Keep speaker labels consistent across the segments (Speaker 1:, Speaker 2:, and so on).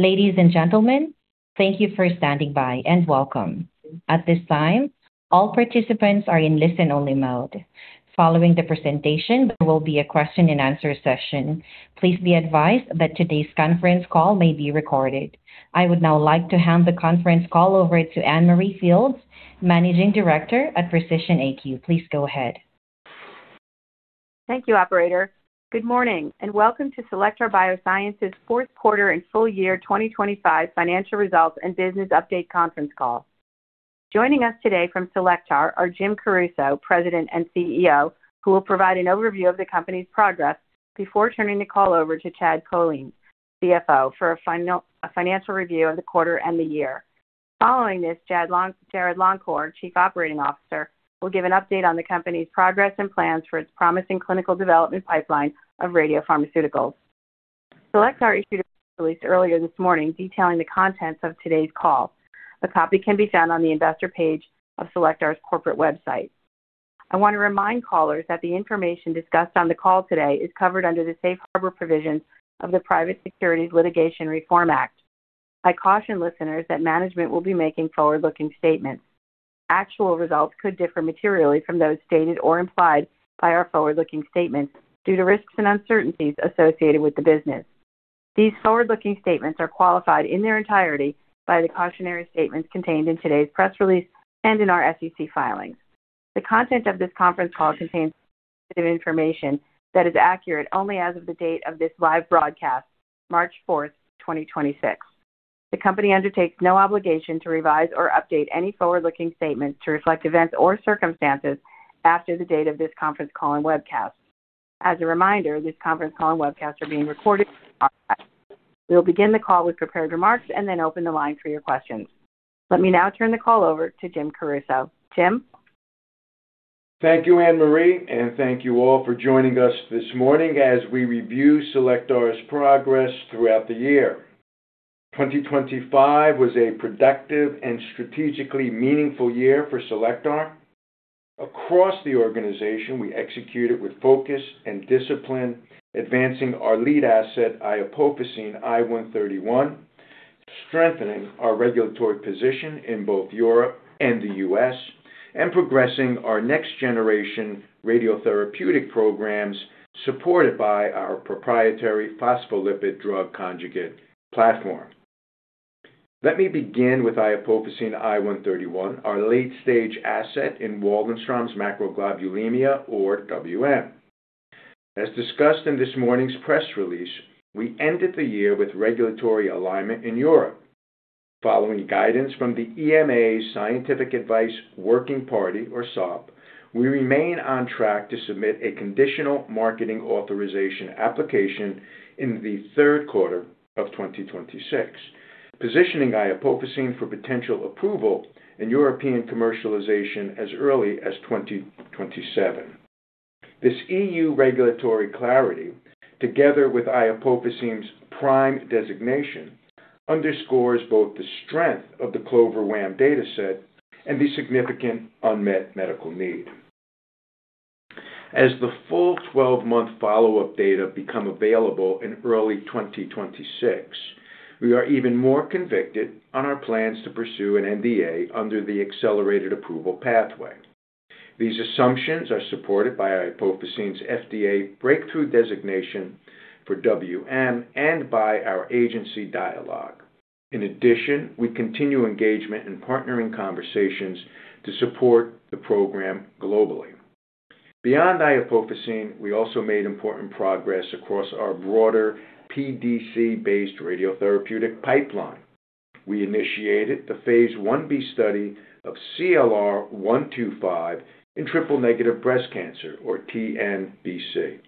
Speaker 1: Ladies and gentlemen, thank you for standing by. Welcome. At this time, all participants are in listen-only mode. Following the presentation, there will be a question and answer session. Please be advised that today's conference call may be recorded. I would now like to hand the conference call over to Anne-Marie Fields, Managing Director at Precision AQ. Please go ahead.
Speaker 2: Thank you, operator. Good morning, welcome to Cellectar Biosciences fourth quarter and full year 2025 financial results and business update conference call. Joining us today from Cellectar are James Caruso, President and CEO, who will provide an overview of the company's progress before turning the call over to Chad Kolean, CFO, for a financial review of the quarter and the year. Following this, Jarrod Longcor, Chief Operating Officer, will give an update on the company's progress and plans for its promising clinical development pipeline of radiopharmaceuticals. Cellectar issued a press release earlier this morning detailing the contents of today's call. A copy can be found on the investor page of Cellectar's corporate website. I want to remind callers that the information discussed on the call today is covered under the safe harbor provisions of the Private Securities Litigation Reform Act. I caution listeners that management will be making forward-looking statements. Actual results could differ materially from those stated or implied by our forward-looking statements due to risks and uncertainties associated with the business. These forward-looking statements are qualified in their entirety by the cautionary statements contained in today's press release and in our SEC filings. The content of this conference call contains information that is accurate only as of the date of this live broadcast, March fourth, 2026. The company undertakes no obligation to revise or update any forward-looking statements to reflect events or circumstances after the date of this conference call and webcast. As a reminder, this conference call and webcast are being recorded. We'll begin the call with prepared remarks and then open the line for your questions. Let me now turn the call over to James Caruso. Jim.
Speaker 3: Thank you, Anne-Marie, and thank you all for joining us this morning as we review Cellectar's progress throughout the year. 2025 was a productive and strategically meaningful year for Cellectar. Across the organization, we executed with focus and discipline, advancing our lead asset, Iopofosine I 131, strengthening our regulatory position in both Europe and the U.S., and progressing our next-generation radiotherapeutic programs supported by our proprietary Phospholipid Drug Conjugate platform. Let me begin with Iopofosine I 131, our late-stage asset in Waldenstrom's macroglobulinemia or WM. As discussed in this morning's press release, we ended the year with regulatory alignment in Europe. Following guidance from the EMA's Scientific Advice Working Party or SAWP, we remain on track to submit a conditional marketing authorisation application in the third quarter of 2026, positioning iopofosine for potential approval and European commercialization as early as 2027. This EU regulatory clarity, together with iopofosine's PRIME designation, underscores both the strength of the CLOVER-WaM data set and the significant unmet medical need. As the full 12-month follow-up data become available in early 2026, we are even more convicted on our plans to pursue an NDA under the Accelerated Approval pathway. These assumptions are supported by iopofosine's FDA breakthrough therapy designation for WM and by our agency dialogue. We continue engagement in partnering conversations to support the program globally. Beyond iopofosine, we also made important progress across our broader PDC-based radiotherapeutic pipeline. We initiated the Phase 1b study of CLR 125 in Triple-Negative Breast Cancer or TNBC.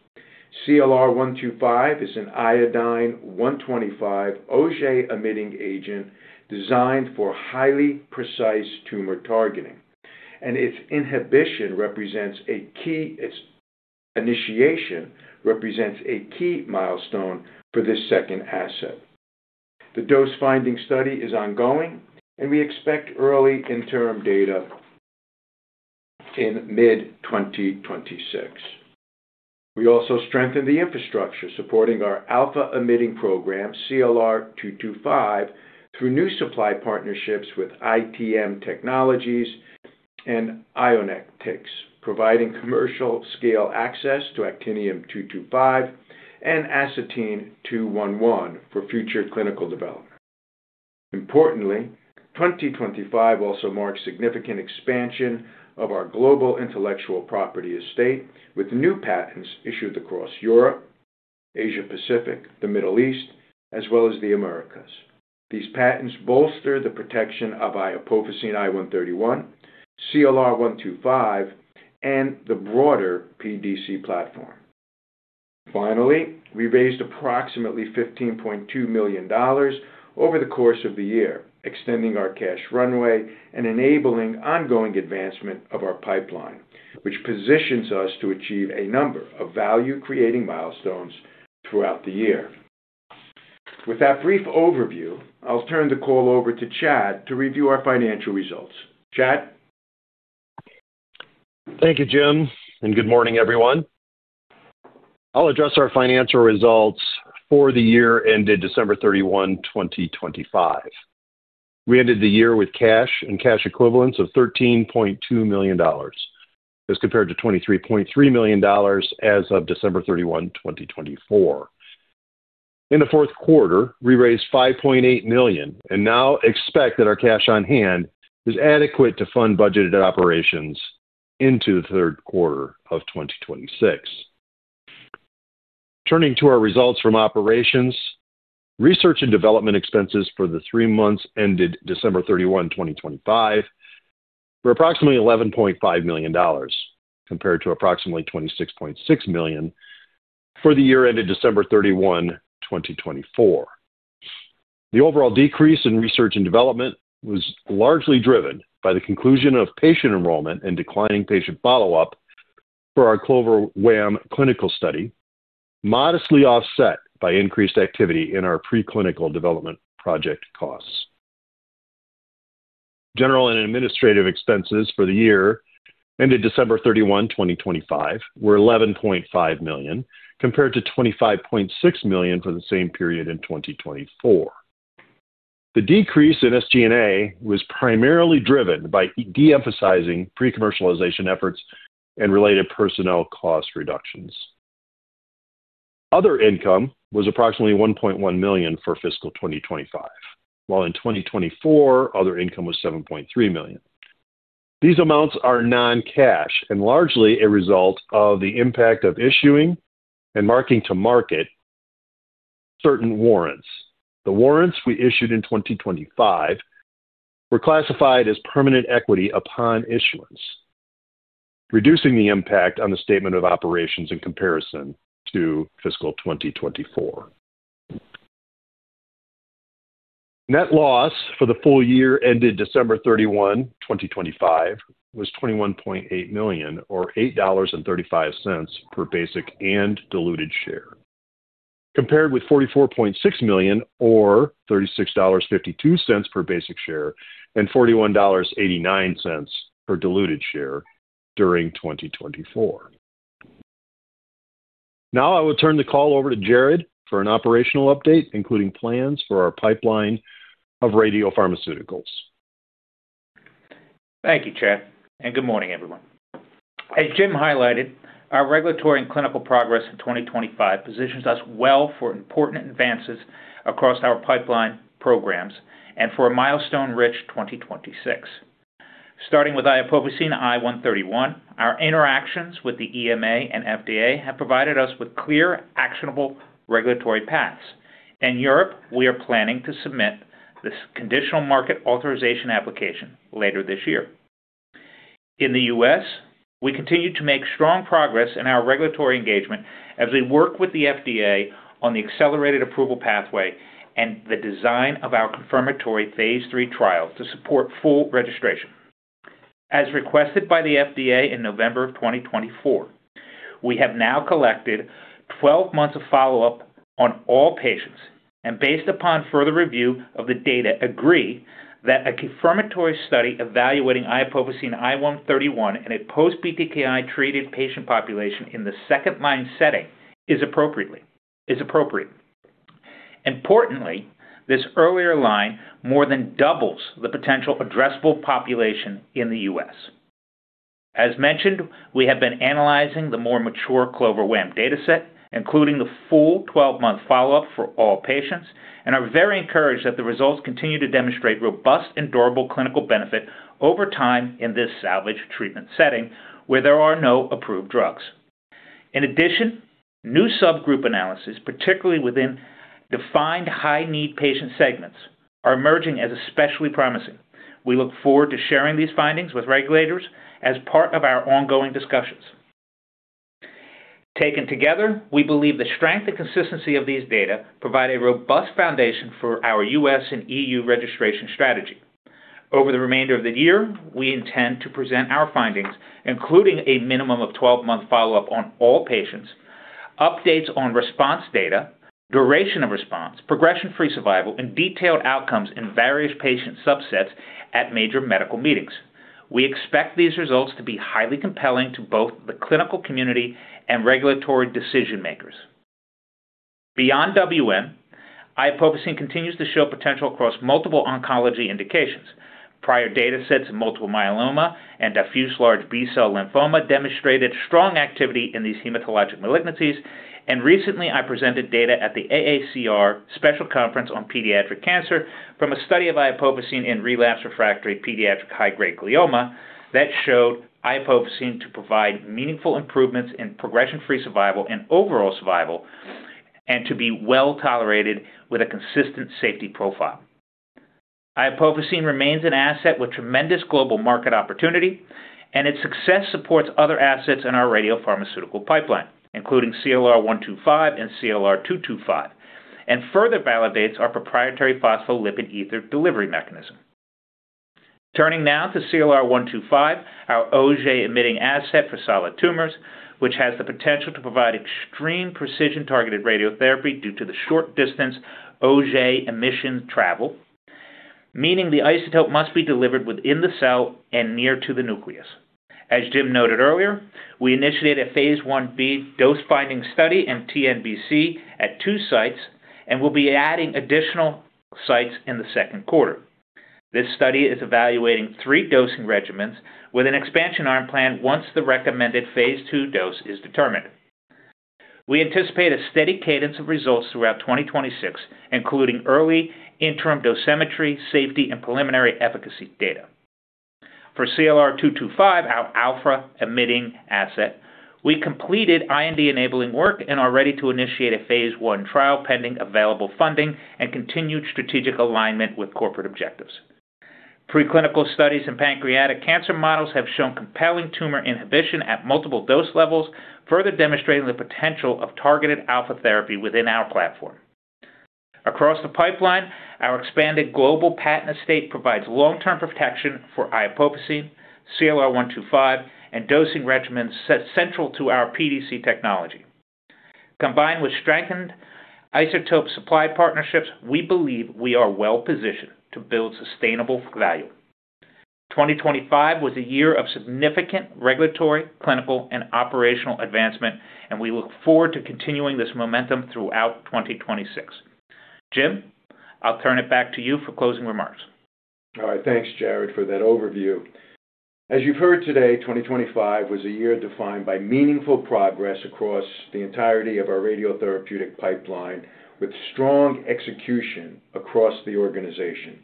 Speaker 3: CLR 125 is an Iodine-125 Auger-emitting agent designed for highly precise tumor targeting, and its initiation represents a key milestone for this second asset. The dose-finding study is ongoing. We expect early interim data in mid-2026. We also strengthened the infrastructure supporting our alpha-emitting program, CLR 225, through new supply partnerships with ITM Isotope Technologies Munich and Ionetix, providing commercial-scale access to Actinium-225 and Astatine-211 for future clinical development. Importantly, 2025 also marked significant expansion of our global intellectual property estate with new patents issued across Europe, Asia-Pacific, the Middle East, as well as the Americas. These patents bolster the protection of Iopofosine I 131, CLR 125, and the broader PDC platform. Finally, we raised approximately $15.2 million over the course of the year, extending our cash runway and enabling ongoing advancement of our pipeline, which positions us to achieve a number of value-creating milestones throughout the year. With that brief overview, I'll turn the call over to Chad to review our financial results. Chad?
Speaker 4: Thank you, Jim. Good morning, everyone. I'll address our financial results for the year ended December 31, 2025. We ended the year with cash and cash equivalents of $13.2 million as compared to $23.3 million as of December 31, 2024. In the fourth quarter, we raised $5.8 million and now expect that our cash on hand is adequate to fund budgeted operations into the third quarter of 2026. Turning to our results from operations, research and development expenses for the three months ended December 31, 2025, were approximately $11.5 million compared to approximately $26.6 million for the year ended December 31, 2024. The overall decrease in research and development was largely driven by the conclusion of patient enrollment and declining patient follow-up for our CLOVER-WaM clinical study, modestly offset by increased activity in our preclinical development project costs. General and administrative expenses for the year ended December 31, 2025 were $11.5 million compared to $25.6 million for the same period in 2024. The decrease in SG&A was primarily driven by de-emphasizing pre-commercialization efforts and related personnel cost reductions. Other income was approximately $1.1 million for fiscal 2025, while in 2024, other income was $7.3 million. These amounts are non-cash and largely a result of the impact of issuing and marking to market certain warrants. The warrants we issued in 2025 were classified as permanent equity upon issuance, reducing the impact on the statement of operations in comparison to fiscal 2024. Net loss for the full year ended December 31, 2025 was $21.8 million or $8.35 per basic and diluted share, compared with $44.6 million or $36.52 per basic share and $41.89 per diluted share during 2024. I will turn the call over to Jarrod for an operational update, including plans for our pipeline of radiopharmaceuticals.
Speaker 5: Thank you, Chad, and good morning, everyone. As Jim highlighted, our regulatory and clinical progress in 2025 positions us well for important advances across our pipeline programs and for a milestone-rich 2026. Starting with Iopofosine I 131, our interactions with the EMA and FDA have provided us with clear, actionable regulatory paths. In Europe, we are planning to submit this conditional marketing authorisation application later this year. In the U.S., we continue to make strong progress in our regulatory engagement as we work with the FDA on the Accelerated Approval pathway and the design of our confirmatory Phase III trial to support full registration. As requested by the FDA in November of 2024, we have now collected 12 months of follow-up on all patients and based upon further review of the data, agree that a confirmatory study evaluating Iopofosine I 131 in a post-BTKi-treated patient population in the 2nd-line setting is appropriate. Importantly, this earlier line more than doubles the potential addressable population in the U.S. As mentioned, we have been analyzing the more mature CLOVER-WaM data set, including the full 12-month follow-up for all patients, and are very encouraged that the results continue to demonstrate robust and durable clinical benefit over time in this salvage treatment setting where there are no approved drugs. In addition, new subgroup analysis, particularly within defined high-need patient segments, are emerging as especially promising. We look forward to sharing these findings with regulators as part of our ongoing discussions. Taken together, we believe the strength and consistency of these data provide a robust foundation for our US and EU registration strategy. Over the remainder of the year, we intend to present our findings, including a minimum of 12-month follow-up on all patients, updates on response data, duration of response, progression-free survival, and detailed outcomes in various patient subsets at major medical meetings. We expect these results to be highly compelling to both the clinical community and regulatory decision-makers. Beyond WM, iopofosine continues to show potential across multiple oncology indications. Prior data sets in multiple myeloma and diffuse large B-cell lymphoma demonstrated strong activity in these hematologic malignancies. Recently, I presented data at the AACR Special Conference on Pediatric Cancer from a study of iopofosine in relapse refractory pediatric high-grade glioma that showed iopofosine to provide meaningful improvements in progression-free survival and overall survival and to be well-tolerated with a consistent safety profile. Iopofosine remains an asset with tremendous global market opportunity, and its success supports other assets in our radiopharmaceutical pipeline, including CLR 125 and CLR 225, and further validates our proprietary phospholipid ether delivery mechanism. Turning now to CLR 125, our Auger-emitting asset for solid tumors, which has the potential to provide extreme precision-targeted radiotherapy due to the short-distance Auger emission travel, meaning the isotope must be delivered within the cell and near to the nucleus. As Jim noted earlier, we initiated a phase 1b dose-finding study in TNBC at two sites and we'll be adding additional sites in the second quarter. This study is evaluating three dosing regimens with an expansion arm plan once the recommended phase 2 dose is determined. We anticipate a steady cadence of results throughout 2026, including early interim dosimetry, safety, and preliminary efficacy data. For CLR 225, our alpha-emitting asset, we completed IND-enabling work and are ready to initiate a phase 1 trial pending available funding and continued strategic alignment with corporate objectives. Pre-clinical studies in Pancreatic cancer models have shown compelling tumor inhibition at multiple dose levels, further demonstrating the potential of Targeted alpha therapy within our platform. Across the pipeline, our expanded global patent estate provides long-term protection for iopofosine, CLR 125, and dosing regimens set central to our PDC technology. Combined with strengthened isotope supply partnerships, we believe we are well-positioned to build sustainable value. 2025 was a year of significant regulatory, clinical, and operational advancement, and we look forward to continuing this momentum throughout 2026. Jim, I'll turn it back to you for closing remarks.
Speaker 3: All right. Thanks, Jarrod, for that overview. As you've heard today, 2025 was a year defined by meaningful progress across the entirety of our radiotherapeutic pipeline with strong execution across the organization.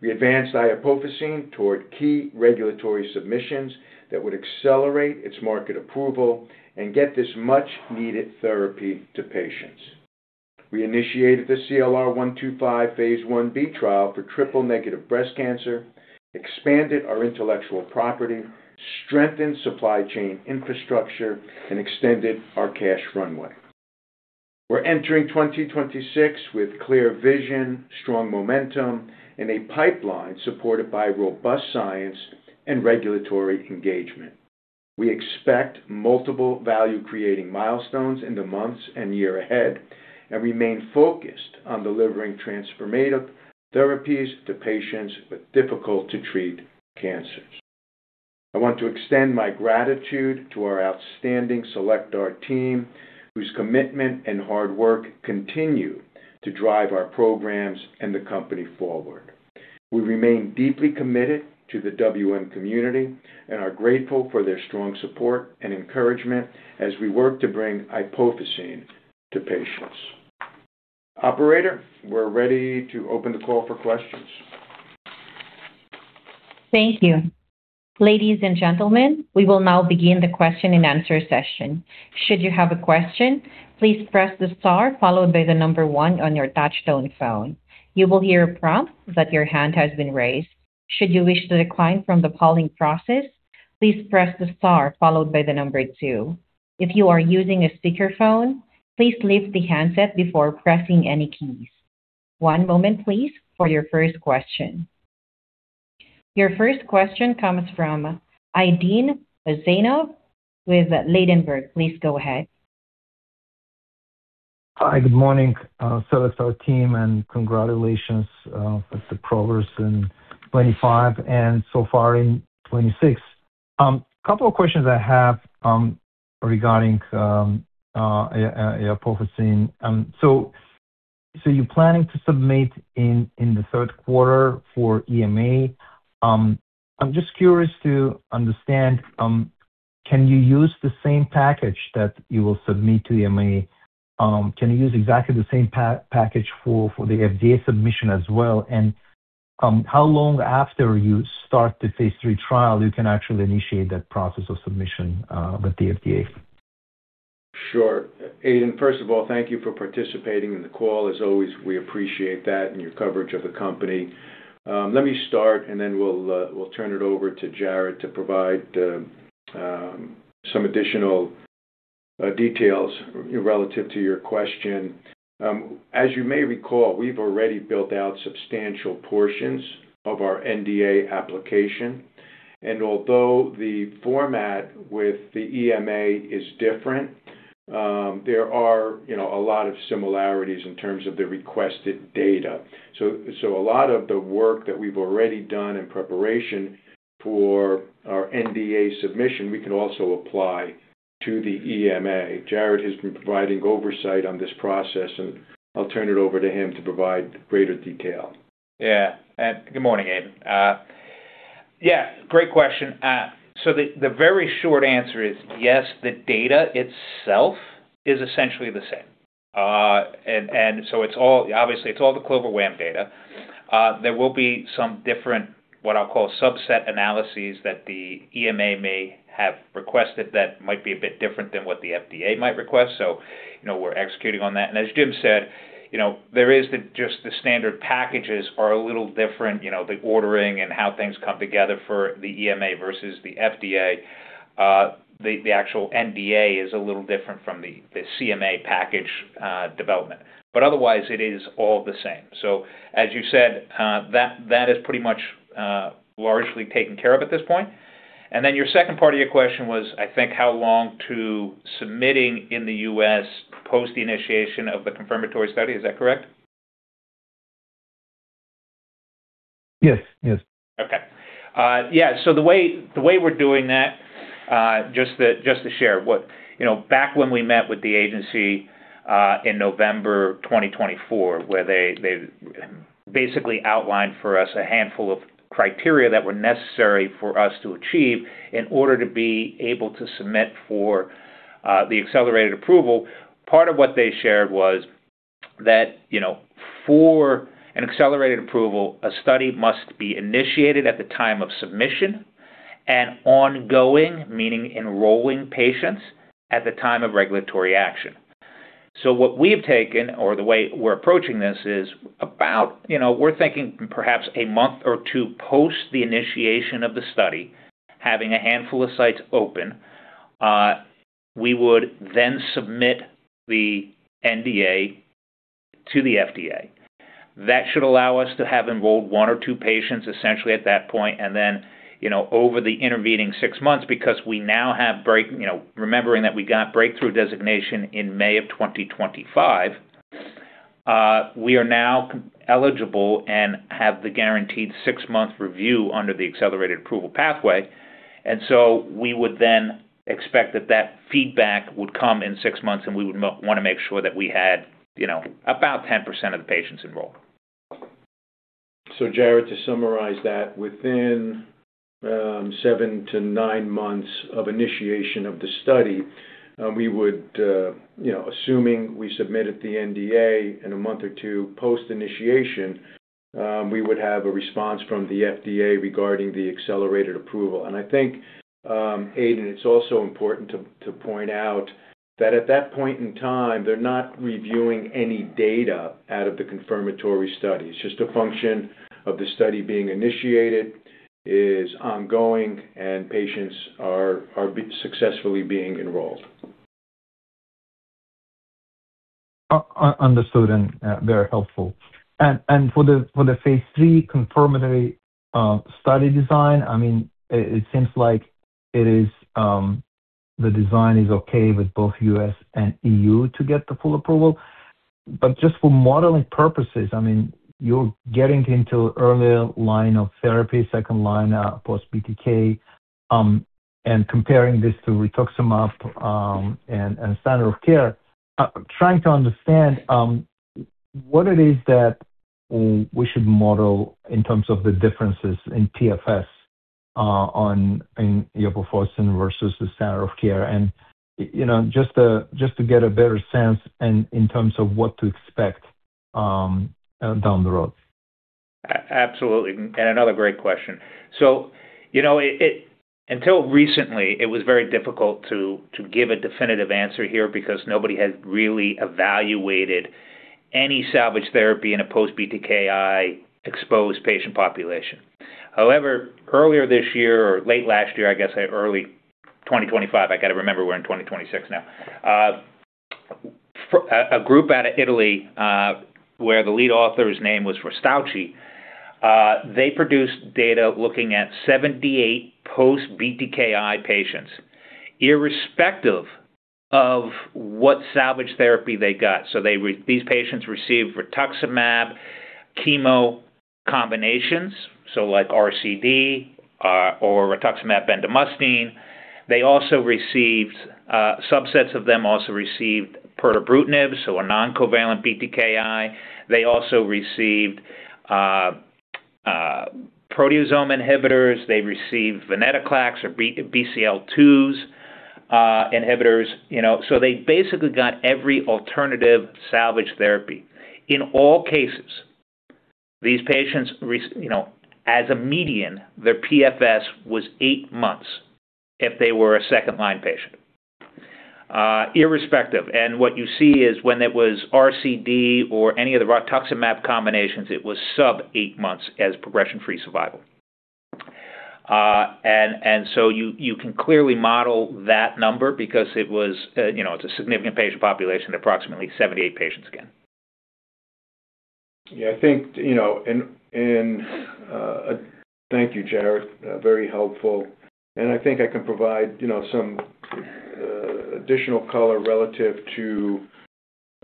Speaker 3: We advanced iopofosine toward key regulatory submissions that would accelerate its market approval and get this much needed therapy to patients. We initiated the CLR 125 phase 1b trial for triple-negative breast cancer, expanded our intellectual property, strengthened supply chain infrastructure, and extended our cash runway. We're entering 2026 with clear vision, strong momentum, and a pipeline supported by robust science and regulatory engagement. We expect multiple value-creating milestones in the months and year ahead, remain focused on delivering transformative therapies to patients with difficult to treat cancers. I want to extend my gratitude to our outstanding Cellectar team, whose commitment and hard work continue to drive our programs and the company forward. We remain deeply committed to the WM community and are grateful for their strong support and encouragement as we work to bring iopofosine to patients. Operator, we're ready to open the call for questions.
Speaker 1: Thank you. Ladies and gentlemen, we will now begin the question-and-answer session. Should you have a question, please press the star followed by the number one on your touchtone phone. You will hear a prompt that your hand has been raised. Should you wish to decline from the polling process, please press the star followed by the number two. If you are using a speakerphone, please lift the handset before pressing any keys. One moment please for your first question. Your first question comes from Aydin Huseynov with Ladenburg Thalmann. Please go ahead.
Speaker 6: Hi. Good morning, Cellectar team, and congratulations, with the progress in 25 and so far in 2026. A couple of questions I have, regarding iopofosine. You're planning to submit in the 3rd quarter for EMA. I'm just curious to understand, can you use the same package that you will submit to EMA, can you use exactly the same package for the FDA submission as well? How long after you start the phase III trial you can actually initiate that process of submission, with the FDA?
Speaker 3: Sure. Aydin, first of all, thank you for participating in the call. As always, we appreciate that and your coverage of the company. Let me start, and then we'll turn it over to Jarrod to provide some additional details relative to your question. As you may recall, we've already built out substantial portions of our NDA application, and although the format with the EMA is different, there are, you know, a lot of similarities in terms of the requested data. A lot of the work that we've already done in preparation for our NDA submission, we can also apply to the EMA. Jarrod has been providing oversight on this process, and I'll turn it over to him to provide greater detail.
Speaker 5: Good morning, Aydin. Yeah, great question. The very short answer is yes, the data itself is essentially the same. Obviously, it's all the CLOVER-WaM data. There will be some different, what I'll call subset analyses that the EMA may have requested that might be a bit different than what the FDA might request. You know, we're executing on that. As Jim said, you know, just the standard packages are a little different, you know, the ordering and how things come together for the EMA versus the FDA. The actual NDA is a little different from the CMA package, development. Otherwise, it is all the same. As you said, that is pretty much, largely taken care of at this point. Your second part of your question was, I think, how long to submitting in the U.S. post the initiation of the confirmatory study. Is that correct?
Speaker 6: Yes. Yes.
Speaker 5: Okay. Yeah. The way we're doing that, just to share. You know, back when we met with the agency in November 2024, where they basically outlined for us a handful of criteria that were necessary for us to achieve in order to be able to submit for the Accelerated Approval, part of what they shared was that, you know, for an Accelerated Approval, a study must be initiated at the time of submission and ongoing, meaning enrolling patients, at the time of regulatory action. What we have taken or the way we're approaching this is about, you know, we're thinking perhaps a month or two post the initiation of the study, having a handful of sites open, we would then submit the NDA to the FDA. That should allow us to have enrolled one or two patients essentially at that point. You know, over the intervening six months, because we now have. You know, remembering that we got breakthrough designation in May of 2025, we are now eligible and have the guaranteed six-month review under the Accelerated Approval pathway. We would then expect that that feedback would come in six months, and we want to make sure that we had, you know, about 10% of the patients enrolled.
Speaker 3: Jarrod, to summarize that, within 7 to 9 months of initiation of the study, we would, you know, assuming we submitted the NDA in 1 or 2 months post-initiation, we would have a response from the FDA regarding the accelerated approval. I think, Aydin, it's also important to point out that at that point in time, they're not reviewing any data out of the confirmatory study. It's just a function of the study being initiated, is ongoing, and patients are successfully being enrolled.
Speaker 6: Understood and very helpful. For the phase III confirmatory study design, I mean, it seems like it is, the design is okay with both U.S. and EU to get the full approval. Just for modeling purposes, I mean, you're getting into earlier line of therapy, second line, post-BTK, and comparing this to Rituximab, and standard of care, trying to understand what it is that we should model in terms of the differences in PFS in iopofosine versus the standard of care. You know, just to get a better sense in terms of what to expect down the road.
Speaker 5: Absolutely. Another great question. You know, it until recently, it was very difficult to give a definitive answer here because nobody had really evaluated any salvage therapy in a post-BTKi exposed patient population. However, earlier this year or late last year, I guess, early 2025, I gotta remember we're in 2026 now, a group out of Italy, where the lead author's name was Varettoni, they produced data looking at 78 post-BTKi patients, irrespective of what salvage therapy they got. These patients received rituximab chemo combinations, like RCD, or rituximab bendamustine. They also received, subsets of them also received pirtobrutinib, so a non-covalent BTKi. They also received, proteasome inhibitors. They received venetoclax or BCL-2s inhibitors. You know, they basically got every alternative salvage therapy. In all cases, these patients you know, as a median, their PFS was 8 months if they were a second-line patient, irrespective. What you see is when it was RCD or any of the Rituximab combinations, it was sub 8 months as progression-free survival. You can clearly model that number because it was, you know, it's a significant patient population, approximately 78 patients again.
Speaker 3: Yeah. I think, you know, and, thank you, Jarrod. very helpful. I think I can provide, you know, some additional color relative to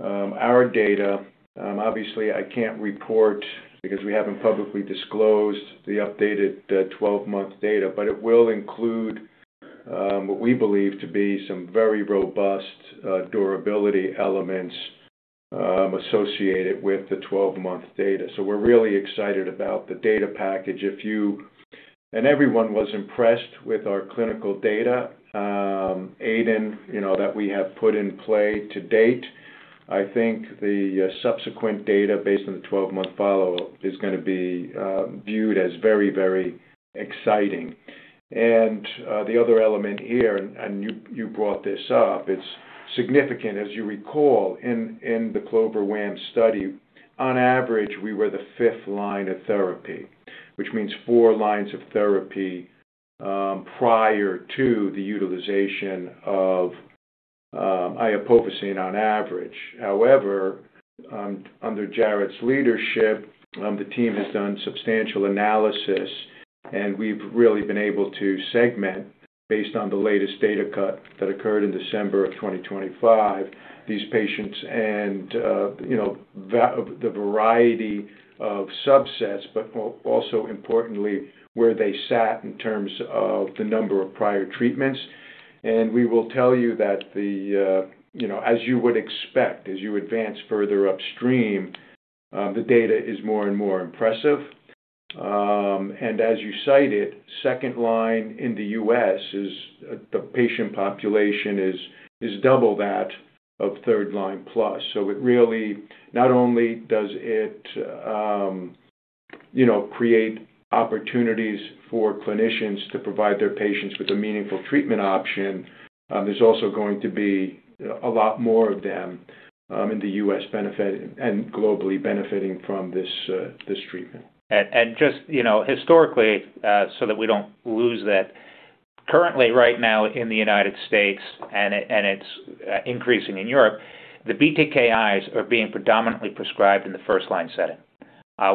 Speaker 3: our data. Obviously, I can't report because we haven't publicly disclosed the updated 12-month data, but it will include what we believe to be some very robust durability elements associated with the 12-month data. We're really excited about the data package. If you and everyone was impressed with our clinical data, Aydin, you know, that we have put in play to date, I think the subsequent data based on the 12-month follow-up is gonna be viewed as very, very exciting. The other element here, and, you brought this up, it's significant. As you recall, in the CLOVER-WaM study, on average, we were the fifth line of therapy, which means 4 lines of therapy prior to the utilization of iopofosine on average. However, under Jarrod's leadership, the team has done substantial analysis, and we've really been able to segment based on the latest data cut that occurred in December of 2025, these patients and, you know, the variety of subsets, but also importantly, where they sat in terms of the number of prior treatments. We will tell you that the, you know, as you would expect, as you advance further upstream, the data is more and more impressive. As you cited, second line in the U.S. is, the patient population is double that of third line plus. It really not only does it, you know, create opportunities for clinicians to provide their patients with a meaningful treatment option, there's also going to be a lot more of them in the US benefiting and globally benefiting from this treatment.
Speaker 5: Just, you know, historically, so that we don't lose that. Currently, right now in the United States, it's increasing in Europe, the BTKis are being predominantly prescribed in the first-line setting,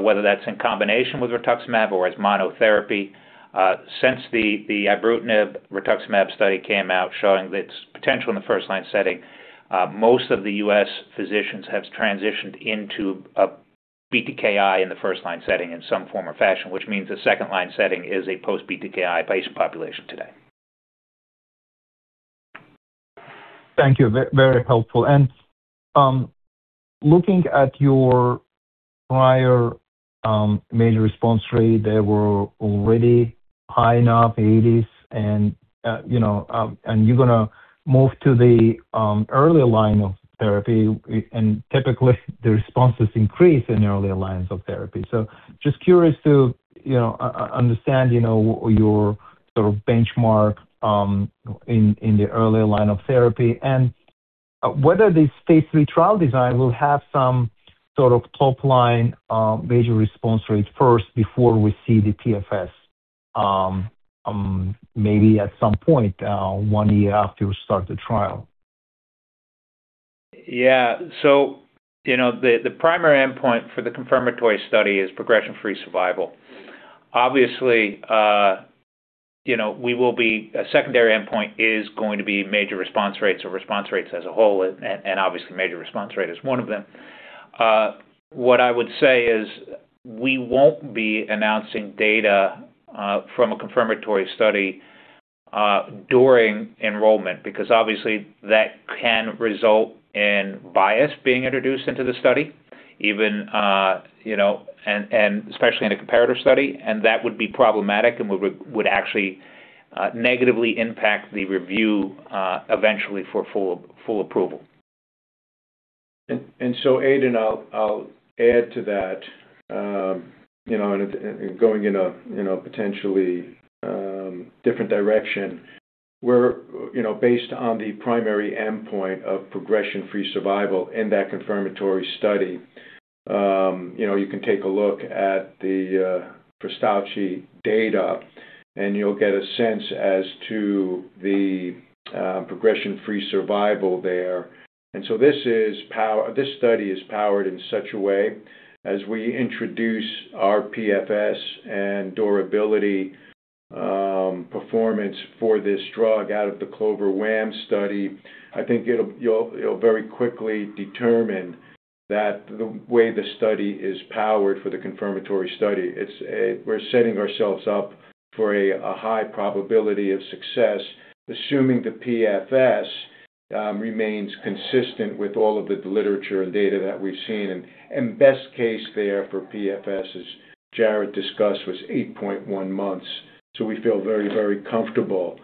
Speaker 5: whether that's in combination with Rituximab or as monotherapy. Since the Ibrutinib Rituximab study came out showing its potential in the first-line setting, most of the U.S. physicians have transitioned into a BTKi in the first-line setting in some form or fashion, which means a second-line setting is a post-BTKi patient population today.
Speaker 6: Thank you. Very helpful. Looking at your prior major response rate, they were already high enough 80s and, you know, you're gonna move to the earlier line of therapy, and typically the responses increase in the earlier lines of therapy. Just curious to, you know, understand, you know, your sort of benchmark in the earlier line of therapy and whether the phase three trial design will have some sort of top line major response rate first before we see the PFS, maybe at some point one year after you start the trial.
Speaker 5: Yeah. You know, the primary endpoint for the confirmatory study is progression-free survival. Obviously, you know, a secondary endpoint is going to be major response rates or response rates as a whole, and obviously major response rate is one of them. What I would say is we won't be announcing data from a confirmatory study during enrollment because obviously that can result in bias being introduced into the study, even, you know, and especially in a comparative study. That would be problematic and would actually negatively impact the review eventually for full approval.
Speaker 3: Aydin, I'll add to that, you know, and going in a, you know, potentially different direction, we're, you know, based on the primary endpoint of progression-free survival in that confirmatory study, you know, you can take a look at the Varettoni data, and you'll get a sense as to the progression-free survival there. This study is powered in such a way as we introduce our PFS and durability performance for this drug out of the CLOVER-WaM study. I think it'll, you'll very quickly determine that the way the study is powered for the confirmatory study, we're setting ourselves up for a high probability of success, assuming the PFS remains consistent with all of the literature and data that we've seen. Best case there for PFS, as Jarrod discussed, was 8.1 months. We feel very comfortable,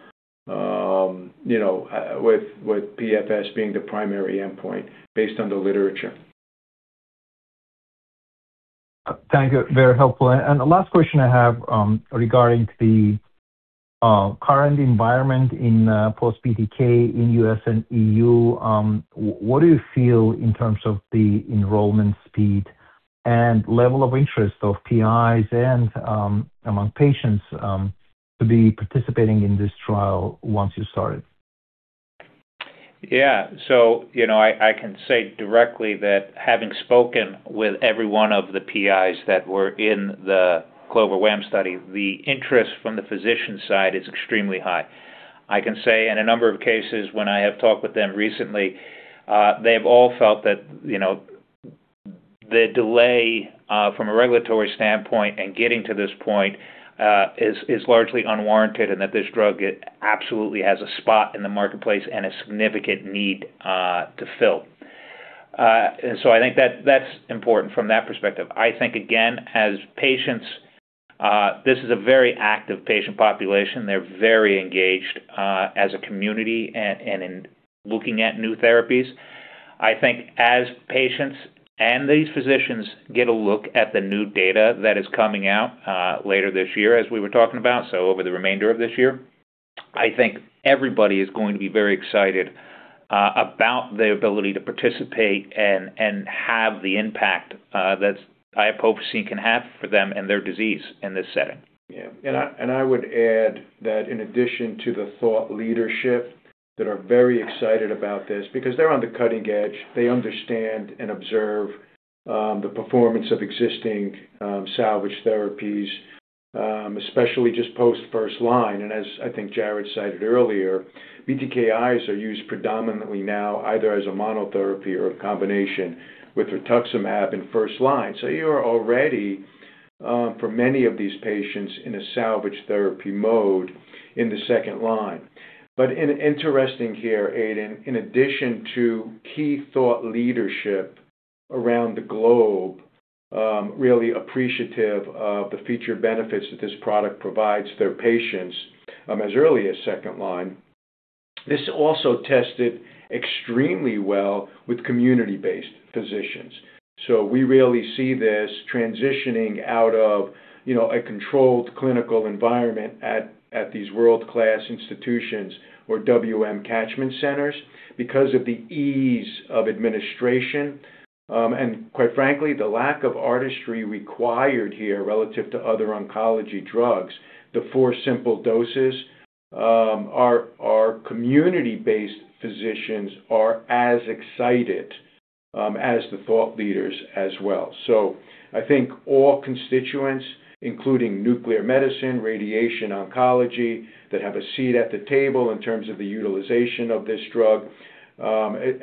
Speaker 3: you know, with PFS being the primary endpoint based on the literature.
Speaker 6: Thank you. Very helpful. The last question I have, regarding the current environment in post BTK in US and EU, what do you feel in terms of the enrollment speed and level of interest of PIs and among patients to be participating in this trial once you start it?
Speaker 5: You know, I can say directly that having spoken with every one of the PIs that were in the CLOVER-WaM study, the interest from the physician side is extremely high. I can say in a number of cases when I have talked with them recently, they've all felt that, you know, the delay from a regulatory standpoint in getting to this point is largely unwarranted and that this drug, it absolutely has a spot in the marketplace and a significant need to fill. I think that's important from that perspective. I think, again, as patients, this is a very active patient population. They're very engaged as a community and in looking at new therapies. I think as patients and these physicians get a look at the new data that is coming out later this year as we were talking about, so over the remainder of this year, I think everybody is going to be very excited about the ability to participate and have the impact that iopofosine can have for them and their disease in this setting.
Speaker 3: Yeah. I would add that in addition to the thought leadership that are very excited about this because they're on the cutting edge. They understand and observe the performance of existing salvage therapies, especially just post first line. As I think Jarrod cited earlier, BTKis are used predominantly now either as a monotherapy or in combination with Rituximab in first line. You are already for many of these patients in a salvage therapy mode in the second line. Interesting here, Aydin, in addition to key thought leadership around the globe, really appreciative of the future benefits that this product provides their patients as early as second line. This also tested extremely well with community-based physicians. We really see this transitioning out of, you know, a controlled clinical environment at these world-class institutions or WM catchment centers because of the ease of administration, and quite frankly, the lack of artistry required here relative to other oncology drugs, the four simple doses, our community-based physicians are as excited as the thought leaders as well. I think all constituents, including nuclear medicine, radiation oncology, that have a seat at the table in terms of the utilization of this drug,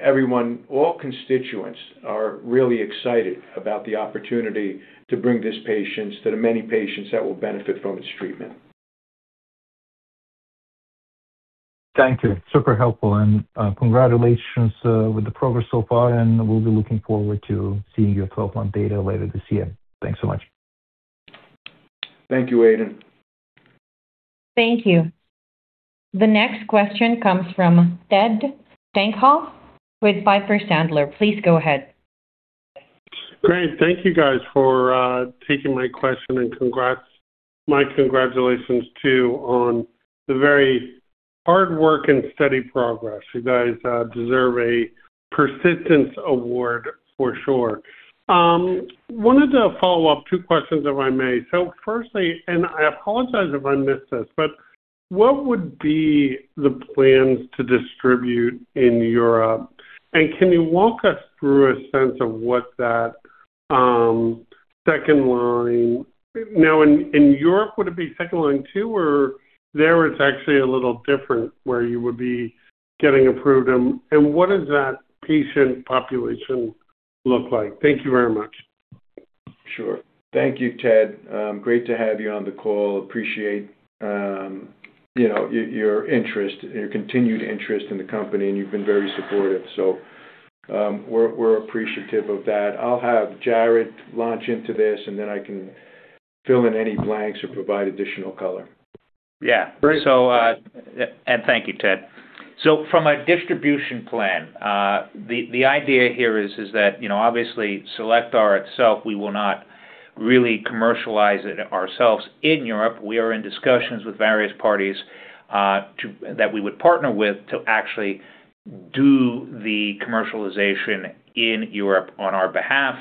Speaker 3: everyone, all constituents are really excited about the opportunity to bring this patients to the many patients that will benefit from this treatment.
Speaker 6: Thank you. Super helpful. Congratulations, with the progress so far, and we'll be looking forward to seeing your 12-month data later this year. Thanks so much.
Speaker 3: Thank you, Aydin.
Speaker 1: Thank you. The next question comes from Edward Tenthoff with Piper Sandler. Please go ahead.
Speaker 7: Great. Thank you guys for taking my question, and my congratulations too on the very hard work and steady progress. You guys deserve a persistence award for sure. Firstly, and I apologize if I missed this, but what would be the plans to distribute in Europe? Can you walk us through a sense of what that second line, now in Europe, would it be second line too, or there it's actually a little different where you would be getting approved and what does that patient population look like? Thank you very much.
Speaker 3: Sure. Thank you, Ted. Great to have you on the call. Appreciate, you know, your interest, your continued interest in the company, and you've been very supportive. We're appreciative of that. I'll have Jarrod launch into this, and then I can fill in any blanks or provide additional color.
Speaker 5: Yeah.
Speaker 7: Great.
Speaker 5: Thank you, Ted. From a distribution plan, the idea here is that, you know, obviously Cellectar itself, we will not really commercialize it ourselves in Europe. We are in discussions with various parties that we would partner with to actually do the commercialization in Europe on our behalf,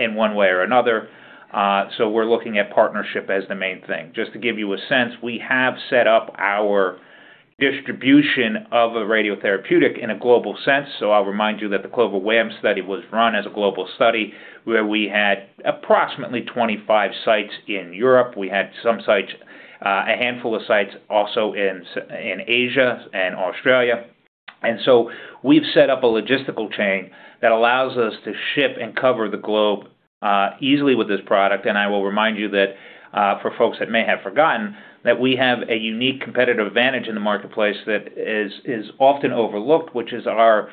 Speaker 5: in one way or another. We're looking at partnership as the main thing. Just to give you a sense, we have set up our distribution of a radiotherapeutic in a global sense. I'll remind you that the global CLOVER-WaM study was run as a global study where we had approximately 25 sites in Europe. We had some sites, a handful of sites also in Asia and Australia. We've set up a logistical chain that allows us to ship and cover the globe easily with this product. I will remind you that for folks that may have forgotten, that we have a unique competitive advantage in the marketplace that is often overlooked, which is our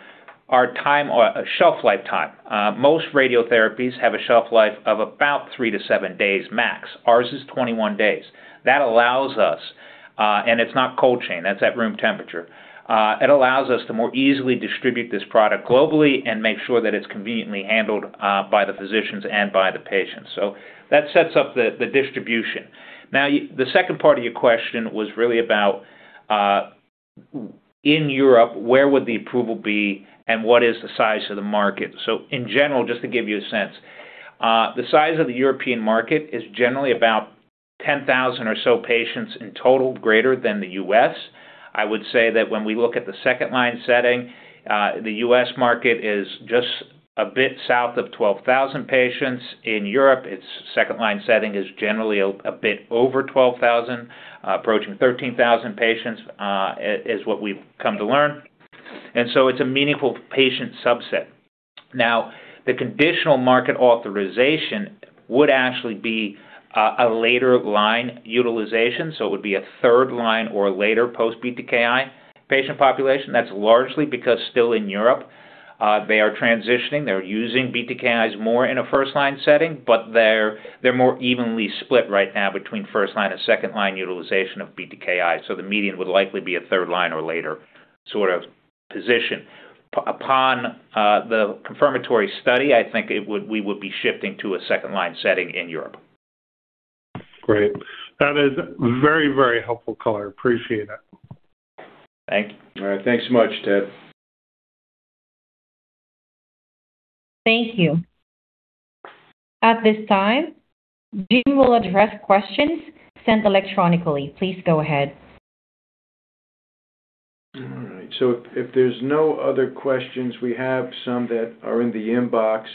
Speaker 5: time or shelf lifetime. Most radiotherapies have a shelf life of about 3-7 days max. Ours is 21 days. That allows us, and it's not cold chain, that's at room temperature. It allows us to more easily distribute this product globally and make sure that it's conveniently handled by the physicians and by the patients. That sets up the distribution. The second part of your question was really about in Europe, where would the approval be, and what is the size of the market? In general, just to give you a sense, the size of the European market is generally about 10,000 or so patients in total, greater than the U.S. I would say that when we look at the second line setting, the U.S. market is just a bit south of 12,000 patients. In Europe, its second line setting is generally a bit over 12,000, approaching 13,000 patients, is what we've come to learn. It's a meaningful patient subset. Now, the conditional marketing authorisation would actually be a later line utilization, so it would be a third line or later post-BTKi patient population. That's largely because still in Europe, they are transitioning. They're using BTKis more in a first line setting, but they're more evenly split right now between first line and second line utilization of BTKi. The median would likely be a third line or later sort of position. Upon the confirmatory study, I think we would be shifting to a second line setting in Europe.
Speaker 7: Great. That is very, very helpful color. Appreciate it.
Speaker 5: Thank you.
Speaker 3: All right. Thanks so much, Ted.
Speaker 1: Thank you. At this time, Jim will address questions sent electronically. Please go ahead.
Speaker 3: All right. If there's no other questions, we have some that are in the inbox.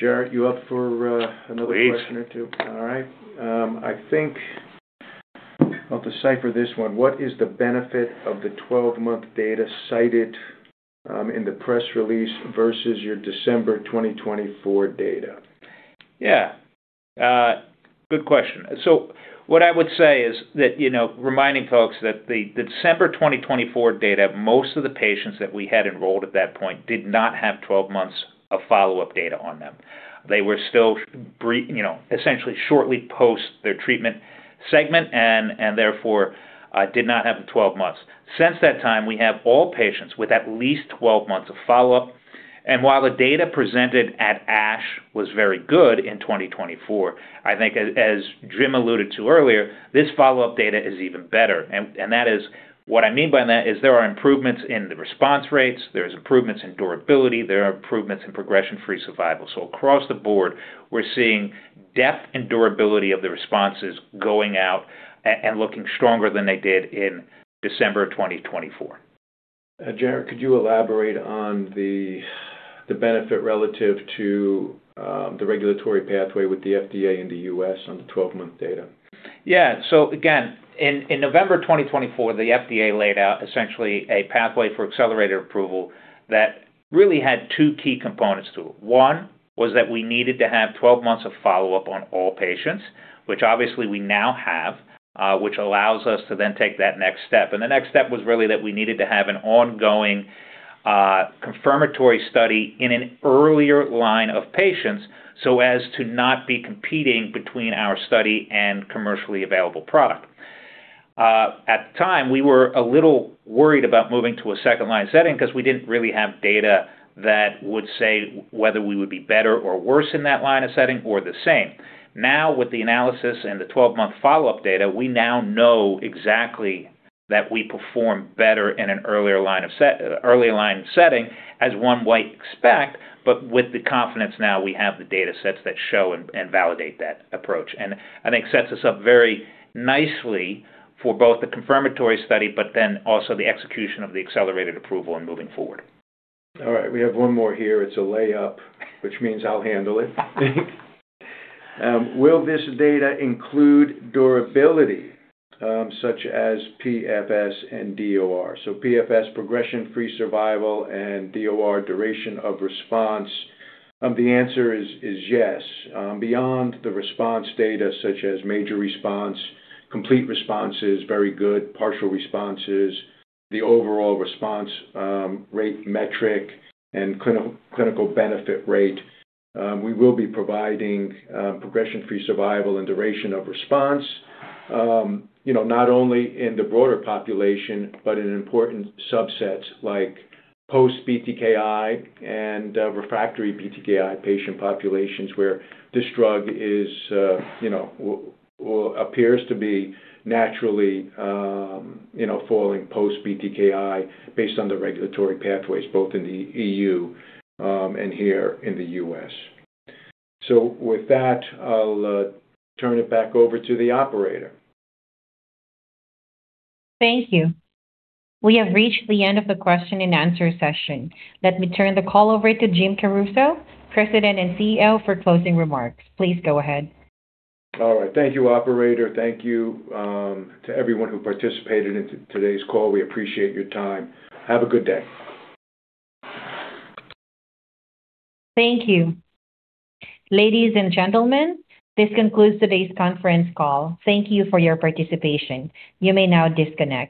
Speaker 3: Jarrod, you up for another question or two?
Speaker 5: Please.
Speaker 3: All right. I think I'll decipher this one. What is the benefit of the 12-month data cited in the press release versus your December 2024 data?
Speaker 5: Yeah. Good question. What I would say is that, you know, reminding folks that the December 2024 data, most of the patients that we had enrolled at that point did not have 12 months of follow-up data on them. They were still, you know, essentially shortly post their treatment segment and therefore, did not have the 12 months. Since that time, we have all patients with at least 12 months of follow-up. While the data presented at ASH was very good in 2024, I think as Jim alluded to earlier, this follow-up data is even better. And that is. What I mean by that is there are improvements in the response rates, there's improvements in durability, there are improvements in progression-free survival. Across the board, we're seeing depth and durability of the responses going out and looking stronger than they did in December 2024.
Speaker 3: Jarrod, could you elaborate on the benefit relative to the regulatory pathway with the FDA in the U.S. on the 12-month data?
Speaker 5: Yeah. Again, in November 2024, the FDA laid out essentially a pathway for Accelerated Approval that really had 2 key components to it. One was that we needed to have 12 months of follow-up on all patients, which obviously we now have, which allows us to then take that next step. The next step was really that we needed to have an ongoing, confirmatory study in an earlier line of patients so as to not be competing between our study and commercially available product. At the time, we were a little worried about moving to a 2nd line setting 'cause we didn't really have data that would say whether we would be better or worse in that line of setting or the same. With the analysis and the 12-month follow-up data, we now know exactly that we perform better in an earlier line of early line setting, as one might expect, but with the confidence now we have the data sets that show and validate that approach. I think sets us up very nicely for both the confirmatory study, but then also the execution of the Accelerated Approval and moving forward.
Speaker 3: All right. We have one more here. It's a layup, which means I'll handle it. Will this data include durability such as PFS and DOR? PFS, progression-free survival, and DOR, duration of response. The answer is yes. Beyond the response data such as major response, complete responses, very good partial responses, the overall response rate metric and clinical benefit rate, we will be providing progression-free survival and duration of response, you know, not only in the broader population, but in important subsets like post-BTKi and refractory BTKi patient populations where this drug is, you know, or appears to be naturally, you know, falling post-BTKi based on the regulatory pathways both in the EU and here in the US. With that, I'll turn it back over to the operator.
Speaker 1: Thank you. We have reached the end of the question and answer session. Let me turn the call over to James Caruso, President and CEO, for closing remarks. Please go ahead.
Speaker 3: All right. Thank you, operator. Thank you to everyone who participated in today's call. We appreciate your time. Have a good day.
Speaker 1: Thank you. Ladies and gentlemen, this concludes today's conference call. Thank you for your participation. You may now disconnect.